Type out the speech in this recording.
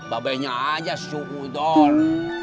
tidak ada syukur toh